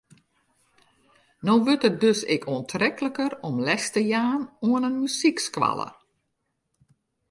No wurdt it dus ek oantrekliker om les te jaan oan in muzykskoalle.